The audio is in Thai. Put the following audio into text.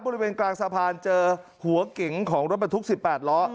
บริเวณกลางสะพานเจอหัวเก๋งของรถบรรทุก๑๘ล้อ